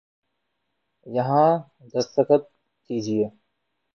یہاں دستخط کیجئے